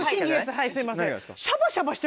はいすいません。